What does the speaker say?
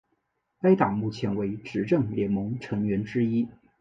该党目前为执政联盟成员之一。